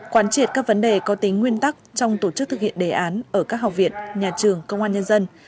quán triệt các vấn đề có tính nguyên tắc trong tổ chức thực hiện đề án ở các học viện nhà trường công an nhân dân